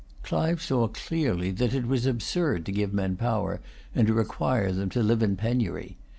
Clive saw clearly that it was absurd to give men power, and to require them to live in penury.